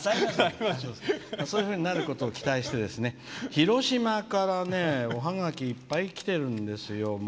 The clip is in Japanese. そういうふうになることを期待してね広島からね、おハガキいっぱいきてるんですよ。